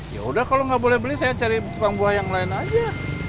ya udah kalau nggak boleh beli saya cari tukang buah yang lain aja